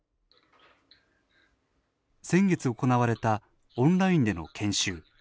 先月、行われたオンラインでの研修。